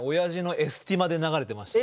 エスティマで流れてた。